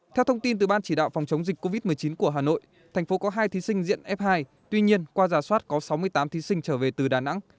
theo thông tin từ ban chỉ đạo phòng chống dịch covid một mươi chín của hà nội thành phố có hai thí sinh diện f hai tuy nhiên qua giả soát có sáu mươi tám thí sinh trở về từ đà nẵng